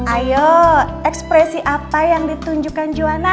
ayo ekspresi apa yang ditunjukkan juana